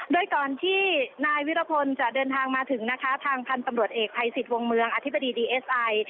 โดยก่อนที่นายวิรพลจะเดินทางมาถึงนะคะทางพันธุ์ตำรวจเอกภัยสิทธิ์วงเมืองอธิบดีดีเอสไอ